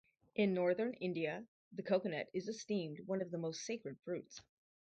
In Northern India, the coconut is esteemed one of the most sacred fruits.